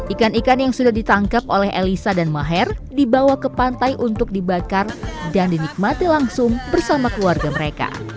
ikan ikan yang sudah ditangkap oleh elisa dan maher dibawa ke pantai untuk dibakar dan dinikmati langsung bersama keluarga mereka